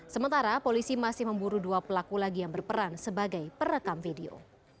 sementara polisi masih memburu dua pelaku lagi yang berperan sebagai perekam video